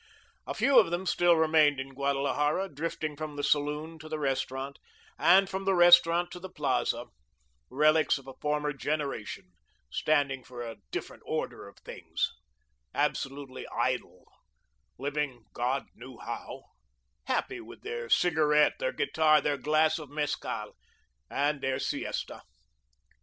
A few of them still remained in Guadalajara, drifting from the saloon to the restaurant, and from the restaurant to the Plaza, relics of a former generation, standing for a different order of things, absolutely idle, living God knew how, happy with their cigarette, their guitar, their glass of mescal, and their siesta.